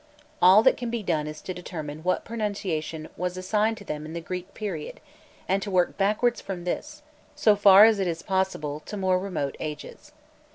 All that can be done is to determine what pronunciation was assigned to them in the Greek period, and to work backwards from this, so far as it is possible, to more remote ages.